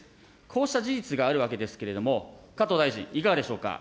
こうした事実があるわけですけれども、加藤大臣、いかがでしょうか。